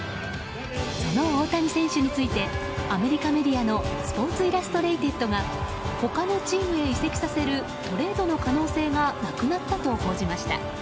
その大谷選手についてアメリカメディアのスポーツ・イラストレイテッドが他のチームへ移籍させるトレードの可能性がなくなったと報じました。